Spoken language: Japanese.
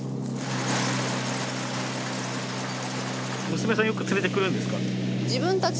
娘さんよく連れてくるんですか？